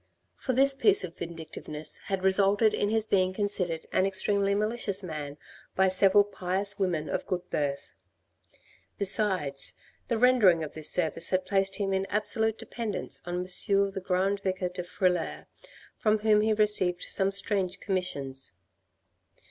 For this piece of vindictiveness had resulted in his being considered an extremely malicious man by several pious women of good birth. Besides, the render ing of this service had placed him in absolute dependence on M. the Grand Vicar de Frilair from whom he received some strange commissions.